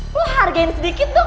lo hargain sedikit deh